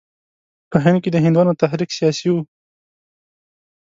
په هند کې د هندوانو تحریک سیاسي وو.